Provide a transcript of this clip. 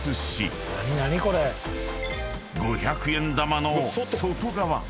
［５００円玉の外側］